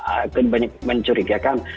akan banyak mencurigakan